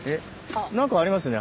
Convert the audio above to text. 何かありますね